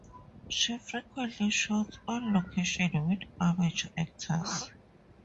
She frequently shoots on location with amateur actors.